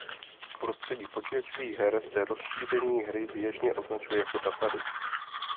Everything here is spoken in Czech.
V prostředí počítačových her se rozšíření hry běžně označuje jako datadisk.